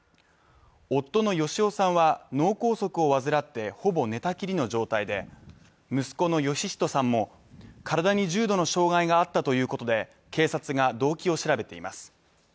夫の芳男さんは脳梗塞を患ってほぼ寝たきりの状態で息子の芳人さんも体に重度の障害があったということで警察が動機を調べています。